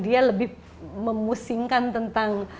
dia lebih memusingkan tentang